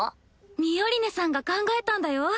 ミオリネさんが考えたんだよ。